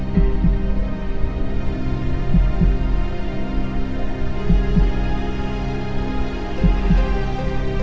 คุณพ่อบู๊ฌคุณรอง